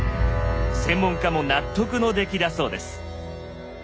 専門家も納得の出来だそうです。